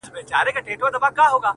ټول عمر ښېرا کوه دا مه وايه،